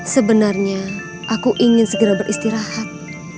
sebenarnya aku ingin segera beristirahat